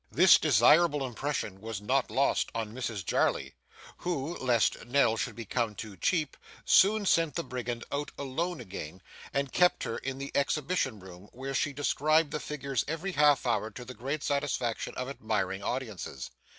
This desirable impression was not lost on Mrs Jarley, who, lest Nell should become too cheap, soon sent the Brigand out alone again, and kept her in the exhibition room, where she described the figures every half hour to the great satisfaction of admiring audiences.